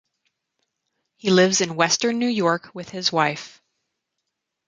He lives in western New York with his wife.